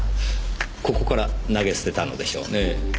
ここから投げ捨てたのでしょうねぇ。